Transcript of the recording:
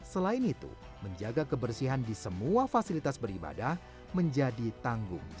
selain itu menjaga kebersihan di sekitar karyawan